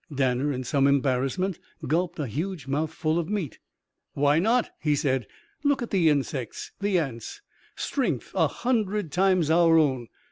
Danner, in some embarrassment, gulped a huge mouthful of meat. "Why not?" he said. "Look at the insects the ants. Strength a hundred times our own.